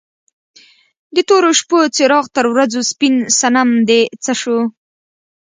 د تورو شپو څراغ تر ورځو سپین صنم دې څه شو؟